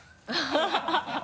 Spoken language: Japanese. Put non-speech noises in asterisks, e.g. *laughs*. ハハハ *laughs*